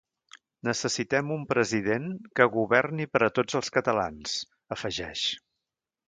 Necessitem un president que governi per a tots els catalans, afegeix.